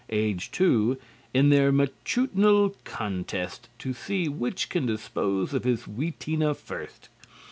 age two, in their matutinal contest to see which can dispose of his Wheatena first.